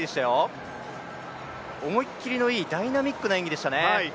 思い切りのいい、ダイナミックな演技でしたね。